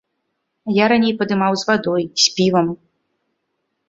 Я раней падымаў з вадой, з півам.